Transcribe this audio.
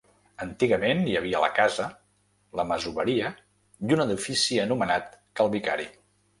Antigament hi havia la casa, la masoveria i un edifici anomenat Cal Vicari.